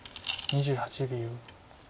２８秒。